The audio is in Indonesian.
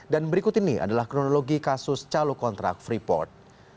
dan berikut ini adalah kronologi kasus calok kontrak freeport